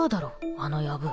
あのやぶ